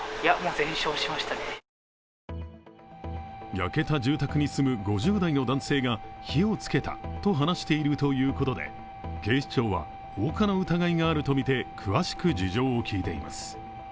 焼けた住宅に住む５０代の男性が火をつけたと話しているということで、警視庁は放火の疑いがあるとみて詳しく事情を聞いています。